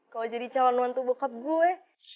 kalau jadi calon wantu bokap gue